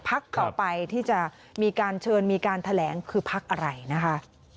ต่อไปที่จะมีการเชิญมีการแถลงคือพักอะไรนะคะ